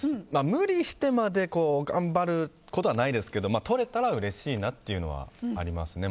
無理してまで頑張ることはないですけど取れたらうれしいなというのはありますね。